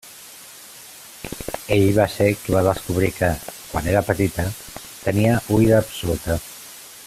Ell va ser qui va descobrir que, quan era petita, tenia oïda absoluta.